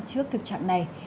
trước thực trạng này